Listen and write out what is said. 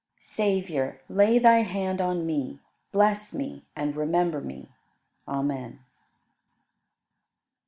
19. Savior, lay Thy hand on me, Bless me, and remember me. Amen.